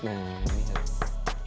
ibunya sudah jadi sepuluh emping pasangnya